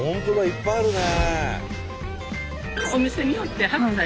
いっぱいあるね。